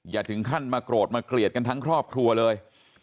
อย่าถึงขั้นมาโกรธมาเกลียดกันทั้งครอบครัวเลย